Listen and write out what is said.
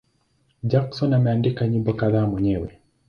Jackson ameandika nyimbo kadhaa mwenyewe.